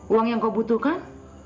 uang yang kau butuhkan